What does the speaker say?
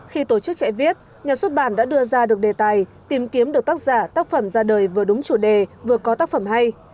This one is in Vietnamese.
khi tổ chức chạy viết nhà xuất bản đã đưa ra được đề tài tìm kiếm được tác giả tác phẩm ra đời vừa đúng chủ đề vừa có tác phẩm hay